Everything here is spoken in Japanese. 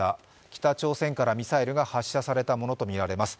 北朝鮮からミサイルが発射されたものとみられます。